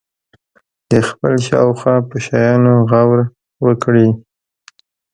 د خپل شاوخوا په شیانو غور وکړي.